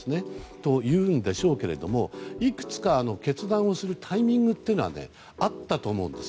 そう言うんでしょうけどいくつか、決断するタイミングがあったと思うんです。